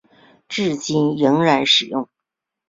至今仍然使用。